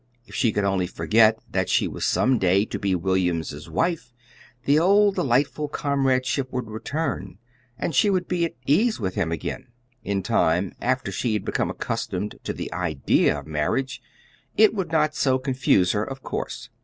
If she could only forget that she was some day to be William's wife, the old delightful comradeship would return, and she would be at ease again with him. In time, after she had become accustomed to the idea of marriage, it would not so confuse her, of course.